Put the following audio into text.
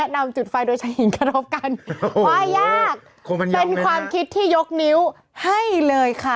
เลี้ยงในคอนโดได้ไหมล่ะ